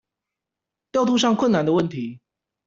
調度上困難的問題